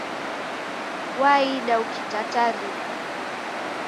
Waida ukitatarika